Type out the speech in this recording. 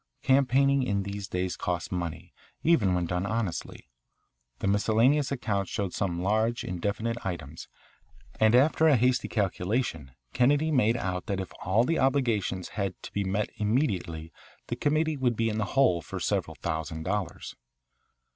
Campaigning in these days costs money even when done honestly. The miscellaneous account showed some large indefinite items, and after a hasty calculation Kennedy made out that if all the obligations had to be met immediately the committee would be in the hole for several thousand dollars.